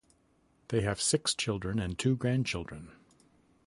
They have six children and two grandchildren.